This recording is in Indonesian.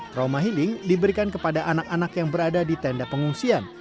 trauma healing diberikan kepada anak anak yang berada di tenda pengungsian